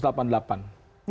di sini dua orang